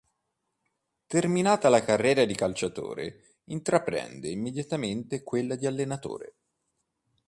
Terminata la carriera di calciatore intraprende immediatamente quella di allenatore.